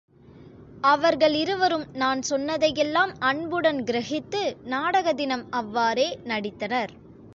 அவர்களிருவரும் நான் சொன்னதையெல்லாம் அன்புடன் கிரஹித்து நாடக தினம் அவ்வாறே நடித்தனர்.